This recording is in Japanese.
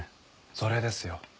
それですよ。